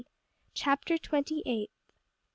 CHAPTER TWENTY EIGHTH.